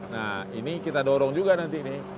nah ini kita dorong juga nanti nih